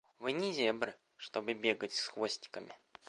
Вы не зебры, чтобы бегать с хвостиками.